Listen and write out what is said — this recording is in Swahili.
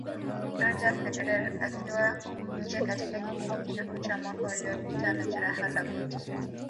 Roger Federer akiwa nje katika kipindi kirefu cha mwaka uliopita na Jeraha la goti